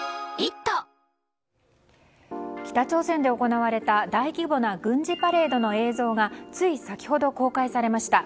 北朝鮮で行われた大規模な軍事パレードの映像がつい先ほど公開されました。